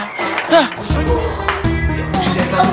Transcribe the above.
sampai jumpa lagi